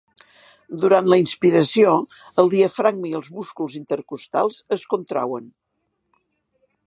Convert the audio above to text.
Durant la inspiració el diafragma i els músculs intercostals es contrauen.